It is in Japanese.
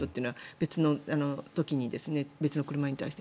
別の時に別の車に対して。